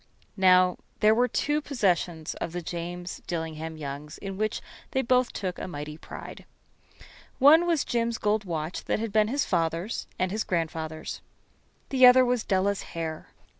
Now, there were two possessions of the James Dillingham Youngs in which they both took a mighty pride. One was Jim's gold watch that had been his father's and his grandfather's. The other was Della's hair.